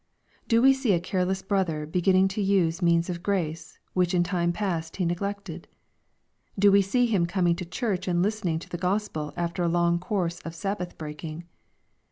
Do we see a careless brother beginning to use means of grace, which in time past he neglected ? Do we see him coming to Church and listenieg to the Gospel after a long course of Sabbath breaking